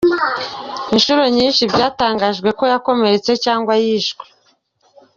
Inshuro nyinshi byatangajwe ko yakomeretse cyangwa yishwe.